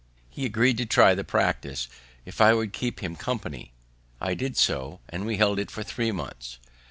He agreed to try the practice, if I would keep him company. I did so, and we held it for three months.